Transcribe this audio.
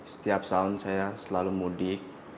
setiap tahun saya selalu mudik